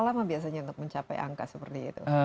lama biasanya untuk mencapai angka seperti itu